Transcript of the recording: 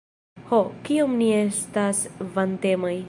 Ho, kiom ni estas vantemaj!